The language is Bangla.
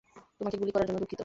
তোমাকে গুলি করার জন্য দুঃখিত।